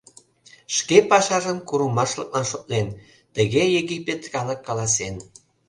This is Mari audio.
— Шке пашажым курымашлыклан шотлен, тыге египет калык каласен.